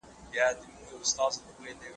حق د احترام لري